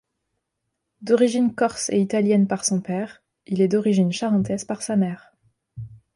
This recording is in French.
D'origine corse et italienne par son père, il est d'origine charentaise par sa mère.